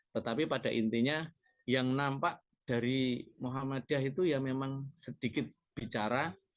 tetapi pada intinya yang nampak dari muhammadiyah itu ya memang sedikit bicara